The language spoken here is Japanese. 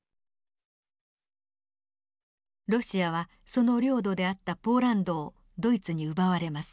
ロシアはその領土であったポーランドをドイツに奪われます。